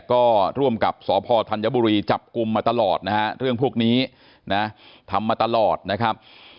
ก็ร่วมกับสพธัญบุรีจับกลุ่มมาตลอดนะฮะเรื่องพวกนี้นะทำมาตลอดนะครับ